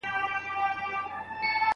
کېدای سي اوبه یخي وي.